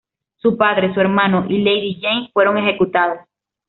Su padre, su hermano y Lady Jane fueron ejecutados.